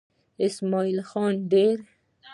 اسمعيل خان ديره